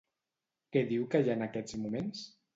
Què diu que hi ha en aquests moments?